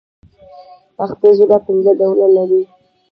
پښتو ژبه پنځه ډوله ي لري.